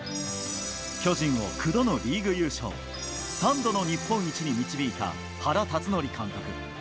巨人を９度のリーグ優勝、３度の日本一に導いた原辰徳監督。